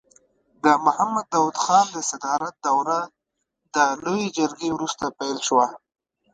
د محمد داود خان د صدارت دوره د لويې جرګې وروسته پیل شوه.